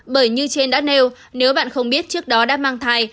bởi như trên đã nêu nếu bạn không biết trước đó đã mang thai